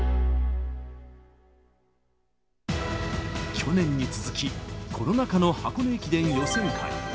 去年に続き、コロナ禍の箱根駅伝予選会。